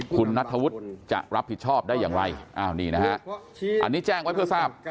คุณณัฐวุธจะรับผิดชอบได้อย่างไรอันนี้แจ้งไว้เพื่อทราบ